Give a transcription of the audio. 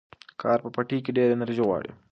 کار په پټي کې ډېره انرژي غواړي.